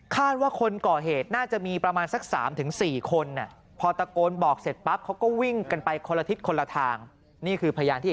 คาดว่าคนก่อเหตุน่าจะมีประมาณ๓๔คน